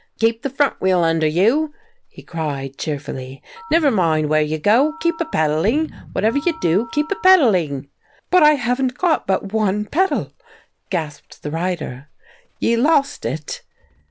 "Keep the front wheel under you!" he cried, cheerfully. "Niver mind where you go. Keep a pedalling; whatever you do, keep a pedalling!" "But I haven't got but one pedal!" gasped the rider. "Ye lost it?"